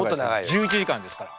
１１時間ですから。